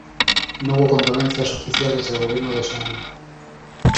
No hubo condolencias oficiales del gobierno de Seúl.